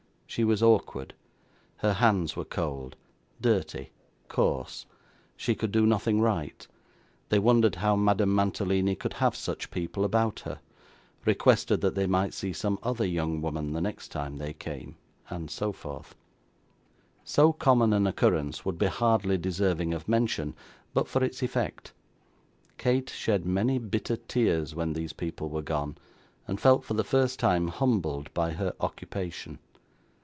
She was awkward her hands were cold dirty coarse she could do nothing right; they wondered how Madame Mantalini could have such people about her; requested they might see some other young woman the next time they came; and so forth. So common an occurrence would be hardly deserving of mention, but for its effect. Kate shed many bitter tears when these people were gone, and felt, for the first time, humbled by her occupation.